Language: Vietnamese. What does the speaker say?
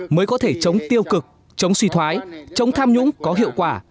mới có thể chống tiêu cực chống suy thoái chống tham nhũng có hiệu quả